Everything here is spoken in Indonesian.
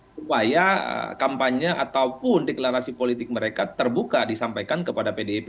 supaya kampanye ataupun deklarasi politik mereka terbuka disampaikan kepada pdip